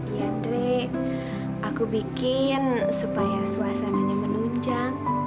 iya dre aku bikin supaya suasananya menunjang